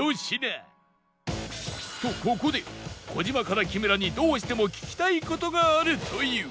とここで児嶋から木村にどうしても聞きたい事があるという